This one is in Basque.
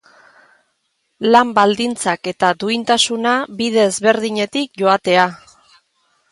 Lan-baldintzak eta duintasuna bide ezberdinetik joatea.